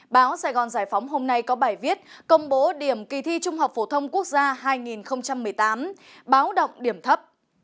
báo sài gòn giải phóng hôm nay có bài viết công bố điểm kỳ thi trung học phổ thông quốc gia hai nghìn một mươi tám báo động điểm thấp